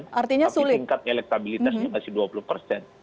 tapi tingkat elektabilitasnya masih dua puluh persen